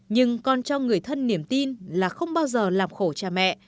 nhưng con cho người thân niềm tin là không bao giờ làm khổ cha mẹ